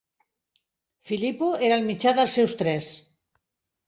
Filippo era el mitjà dels seus tres.